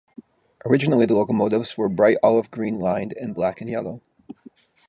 Originally the locomotives were bright olive green lined in black and yellow.